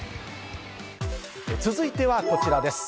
続いてはこちらです。